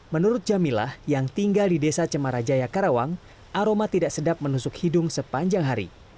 menurut jamilah yang tinggal di desa cemarajaya karawang aroma tidak sedap menusuk hidung sepanjang hari